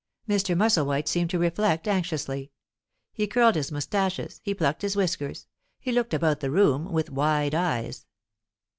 Mr. Musselwhite seemed to reflect anxiously. He curled his moustaches, he plucked his whiskers, he looked about the room with wide eyes.